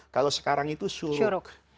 kalau sekarang itu syuruk